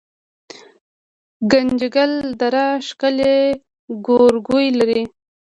ګنجګل دره ښکلې ګورګوي لري